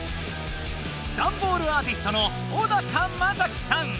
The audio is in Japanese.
ダンボールアーティストのオダカマサキさん！